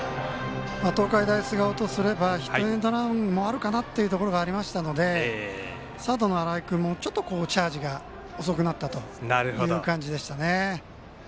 東海大菅生とすればヒットエンドランもあるかなというところがありましたのでサードの新井君も、ちょっとチャージが遅くなったという感じでしたね。